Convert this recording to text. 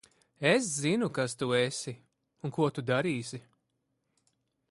Es zinu, kas tu esi un ko tu darīsi.